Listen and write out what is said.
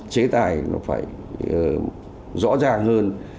chế tài nó phải rõ ràng hơn